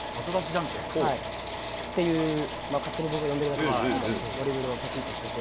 はい、っていう、僕が勝手に呼んでるだけなんですけど、ドリブルを得意としてて。